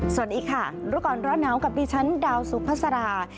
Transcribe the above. สวัสดีค่ะรุ่นก่อนร้อนหนาวกับพี่ฉันดาวสุพศรา